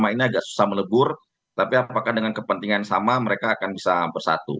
ini agak susah melebur tapi apakah dengan kepentingan yang sama mereka akan bisa bersatu